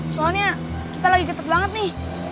soalnya kita lagi ketuk banget nih